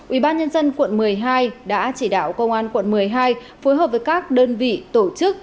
ubnd quận một mươi hai đã chỉ đạo công an quận một mươi hai phối hợp với các đơn vị tổ chức